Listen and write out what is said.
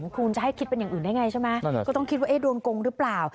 คุณจะให้คิดเป็นอย่างอื่นได้ไงใช่ไหมก็ต้องคิดว่าโดนโกงหรือเปล่า